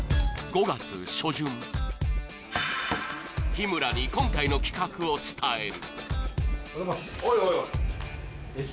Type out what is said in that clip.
日村に今回の企画を伝える。